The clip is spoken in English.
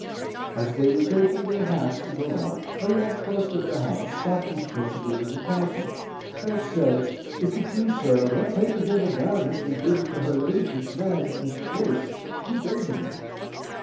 As they were taking their hats to go out, a young clerk of the house stopped his principal in the passage, and said: "If you please, sir, them papers of the Baroness was given to her ladyship's man, Mr. Case, two days ago."